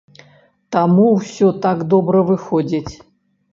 Таму ўсё так добра выходзіць.